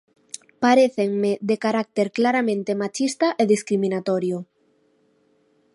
Parécenme de carácter claramente machista e discriminatorio.